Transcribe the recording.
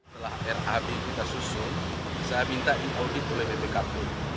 setelah rab kita susun saya minta diaudit oleh bpkp